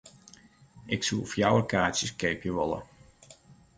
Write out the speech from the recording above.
Ik soe fjouwer kaartsjes keapje wolle.